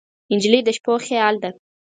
نجلۍ د شپو خیال ده.